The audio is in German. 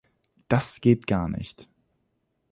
Das geht gar nicht.